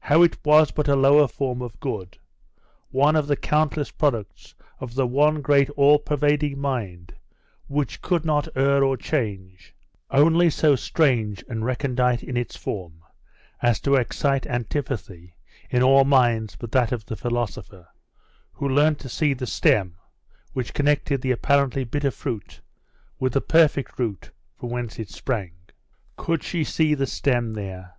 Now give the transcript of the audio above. how it was but a lower form of good, one of the countless products of the one great all pervading mind which could not err or change, only so strange and recondite in its form as to excite antipathy in all minds but that of the philosopher, who learnt to see the stem which connected the apparently bitter fruit with the perfect root from whence it sprang. Could she see the stem there?